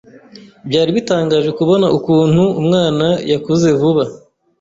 Byari bitangaje kubona ukuntu umwana yakuze vuba.